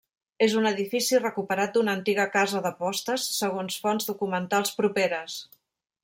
És un edifici recuperat d'una antiga casa de postes, segons fons documentals properes.